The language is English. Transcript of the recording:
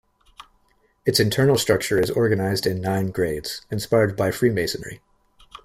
Its internal structure is organized in nine grades, inspired by Freemasonry.